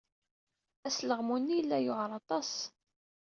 Asleɣmu-nni yella yewɛeṛ aṭas.